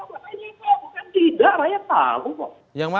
bukan tidak rakyat tahu kok